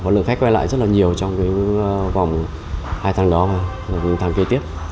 và lượng khách quay lại rất là nhiều trong vòng hai tháng đó và những tháng kế tiếp